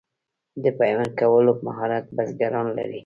د پیوند کولو مهارت بزګران لري.